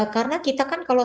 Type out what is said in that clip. karena kita kan kalau